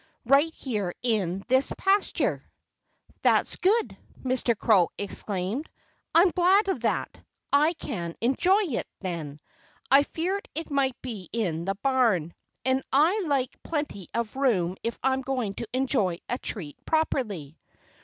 "Right here in this pasture!" "That's good!" Mr. Crow exclaimed. "I'm glad of that. I can enjoy it, then. I feared it might be in the barn. And I like plenty of room if I'm to enjoy a treat properly."